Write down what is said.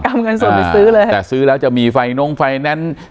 เอาเงินสดไปซื้อเลยแต่ซื้อแล้วจะมีไฟนงไฟแนนซ์